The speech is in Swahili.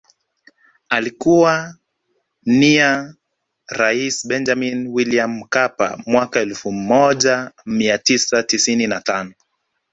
Alikuwa nia rais Benjamini Wiliam Mkapa mwaka elfu moja mia tisa tisini na tano